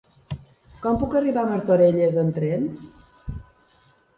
Com puc arribar a Martorelles amb tren?